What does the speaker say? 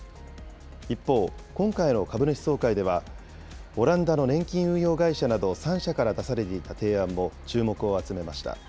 一方、今回の株主総会では、オランダの年金運用会社など３社から出されていた提案も注目を集めました。